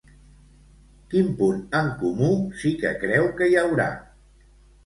Quin punt en comú sí que creu que hi haurà?